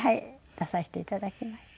出させていただきました。